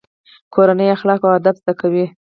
کورنۍ اخلاق او ادب زده کوي.